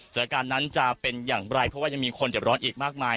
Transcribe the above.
สถานการณ์นั้นจะเป็นอย่างไรเพราะว่ายังมีคนเจ็บร้อนอีกมากมาย